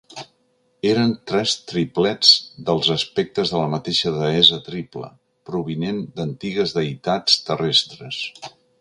Eren tres triplets dels aspectes de la mateixa deessa triple, provinent d'antigues deïtats terrestres.